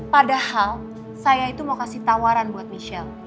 padahal saya itu mau kasih tawaran buat michelle